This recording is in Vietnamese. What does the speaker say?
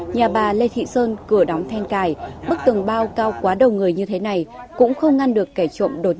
nhà bà lê thị sơn cửa đóng thanh cài bức tường bao cao quá đầu người như thế này cũng không ngăn được kẻ trộm